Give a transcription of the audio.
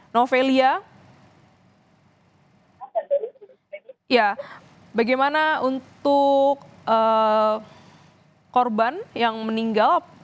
novelia bagaimana untuk korban yang meninggal